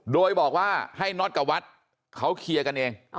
โดยบอกว่าให้น็อตกับวัดเขาเคลียร์กันเอง